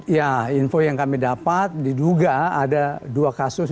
ya info yang kami dapat diduga ada dua kasus